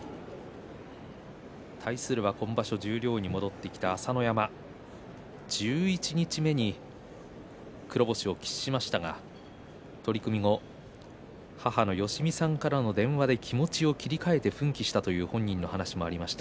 対するは今場所十両に戻ってきた朝乃山十一日目に黒星を喫しましたが取組後、母からの電話で気持ちを切り替えて奮起したという本人の話もありました。